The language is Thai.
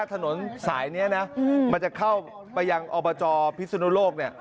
ถนนสายนี้นะมันจะเข้าไปยังอบจพิศนุโลกเนี่ย